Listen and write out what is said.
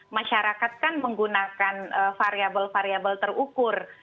masyarakat kan menggunakan variable variable terukur